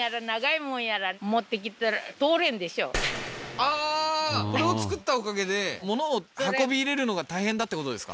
ああーこれを造ったおかげでものを運び入れるのが大変だってことですか？